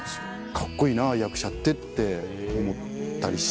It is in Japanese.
「カッコいいな役者って」って思ったりして。